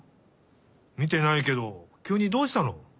みてないけどきゅうにどうしたの？